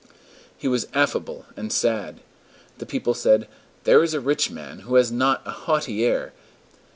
He was affable and sad. The people said: "There is a rich man who has not a haughty air.